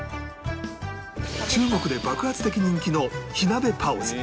中国で爆発的人気の火鍋パオズ